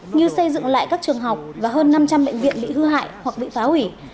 như xây dựng lại các trường học và hơn năm trăm linh bệnh viện bị hư hại hoặc bị phá hủy